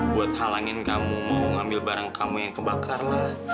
buat halangin kamu mau ngambil barang kamu yang kebakar lah